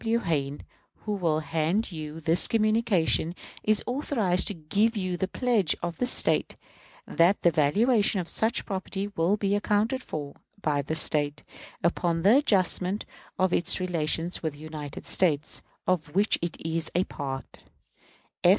W. Hayne, who will hand you this communication, is authorized to give you the pledge of the State that the valuation of such property will be accounted for, by this State, upon the adjustment of its relations with the United States, of which it was a part.